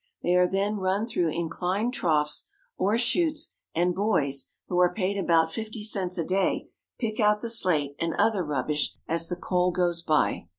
They are then run through inclined troughs, or chutes, and boys, who are paid about fifty cents a day, pick out the slate and other rubbish as the coal goes by.